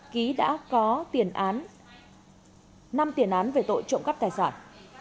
ký đã có năm tiền án về tội trộm cắp tài sản